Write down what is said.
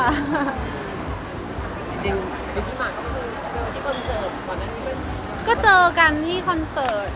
จริงหมาต่างก็คือเจอกันที่คอนเสิร์ต